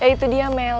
itu dia mel